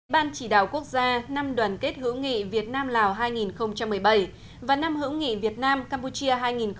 ban chỉ đạo quốc gia năm đoàn kết hữu nghị việt nam lào hai nghìn một mươi bảy và năm hữu nghị việt nam campuchia hai nghìn một mươi tám